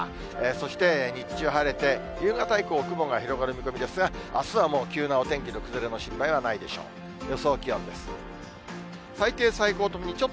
そして日中晴れて、夕方以降、雲が広がる見込みですが、あすはもう急なお天気の崩れの心配はないでしょう。